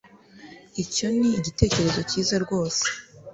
Icyo ni igitekerezo cyiza rwose